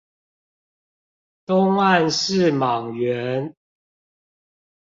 東岸是莽原